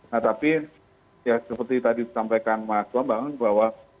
nah tapi ya seperti tadi disampaikan mas bambang bahwa